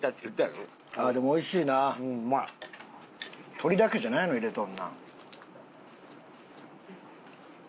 鳥だけじゃないのを入れとるな。